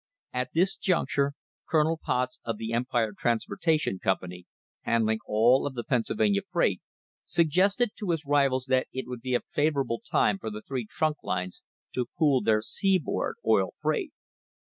At this juncture Colonel Potts of the Em pire Transportation Company, handling all of the Pennsyl vania freight, suggested to his rivals that it would be a favourable time for the three trunk lines to pool their sea board oil freight.